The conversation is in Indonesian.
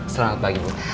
selamat pagi bu